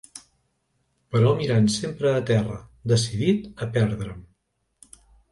Però mirant sempre a terra, decidit a perdre'm